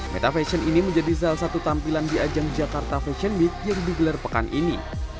meta fashion ini menjadi salah satu tampilan di ajang jakarta fashion week yang digelar pekan ini